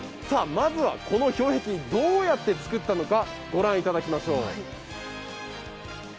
まずは、この氷壁、どうやって作ったのか御覧いただきましょう。